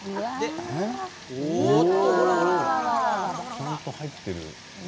ちゃんと入っている。